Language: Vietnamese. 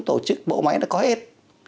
tổ chức bộ máy nó có hết